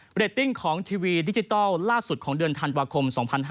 เรตติ้งของทีวีดิจิทัลล่าสุดของเดือนธันวาคม๒๕๕๙